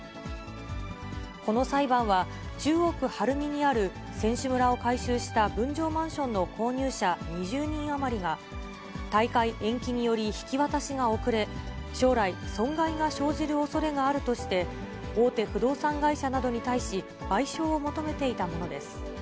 この裁判は、中央区晴海にある選手村を改修した分譲マンションの購入者２０人余りが、大会延期により引き渡しが遅れ、将来、損害が生じるおそれがあるとして、大手不動産会社などに対し、賠償を求めていたものです。